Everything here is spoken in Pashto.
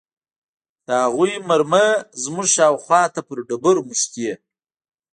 د هغوى مرمۍ زموږ شاوخوا ته پر ډبرو مښتې.